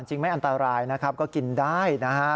ไม่อันตรายนะครับก็กินได้นะฮะ